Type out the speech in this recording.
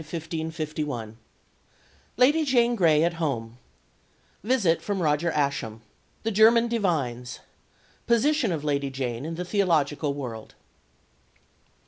CHAPTER XI 1549 1551 Lady Jane Grey at home Visit from Roger Ascham The German divines Position of Lady Jane in the theological world.